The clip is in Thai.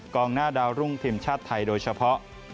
กองหน้าดาวรุ่งทีมชาติไทยโดยเฉพาะ